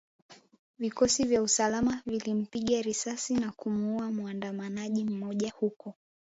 Vikosi vya usalama vilimpiga risasi na kumuuwa muandamanaji mmoja huko